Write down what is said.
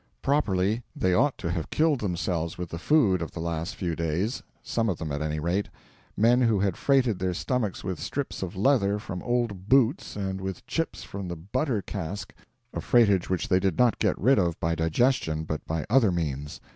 Properly, they ought to have killed themselves with the 'food' of the last few days some of them, at any rate men who had freighted their stomachs with strips of leather from old boots and with chips from the butter cask; a freightage which they did not get rid of by digestion, but by other means.